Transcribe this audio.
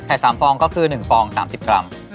๓ฟองก็คือ๑ฟอง๓๐กรัม